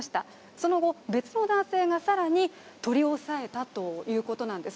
その後、別の男性がさらに取り押さえたということなんです。